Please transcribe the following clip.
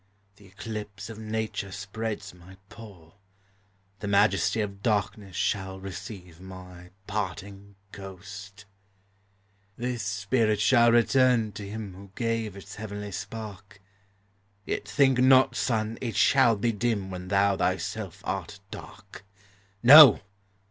The eclipse of Nature spreads my pall, The majesty of darkness shall Receive my parting ghost ! This spirit shall return to Him Who gave its heavenly spark; Yet think not, Sun, it shall be dim When thou thyself art dark! No